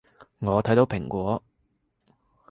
我睇到蘋果